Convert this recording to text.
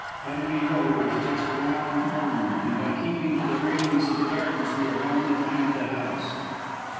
"Petterby Road is just round the corner, and by keeping to the railings of the gardens we are bound to find the house."